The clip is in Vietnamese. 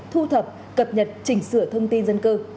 thu thập cập nhật chỉnh sửa thông tin dân cư